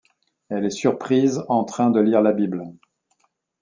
Elle est surprise en train de lire la Bible.